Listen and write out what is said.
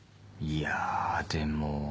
いやでも。